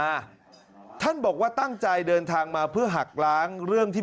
สำคัญไหมครับท่านบอกว่าตั้งใจเดินทางมาเพื่อหักล้างเรื่องที่